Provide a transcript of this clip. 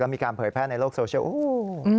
มีการเผยแพร่ในโลกโซเชียลโอ้โห